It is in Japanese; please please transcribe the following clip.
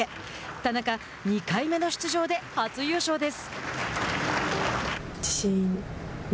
田中、２回目の出場で初優勝です。